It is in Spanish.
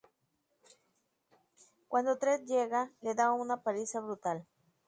Cuando Trent llega, le da una paliza brutal.